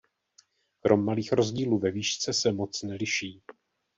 Krom malých rozdílů ve výšce se moc neliší.